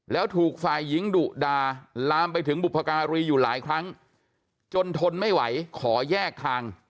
แล้วถูกฝ่ายหญิงดุดาลามไปถึงบุพการีอยู่หลายครั้งจนทนไม่ไหวขอแยกทาง